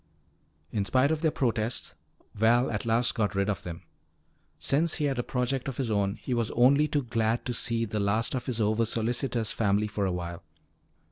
In spite of their protests, Val at last got rid of them. Since he had a project of his own, he was only too glad to see the last of his oversolicitous family for awhile.